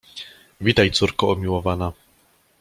Witaj, córko umiłowana!